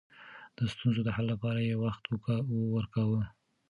د ستونزو د حل لپاره يې وخت ورکاوه.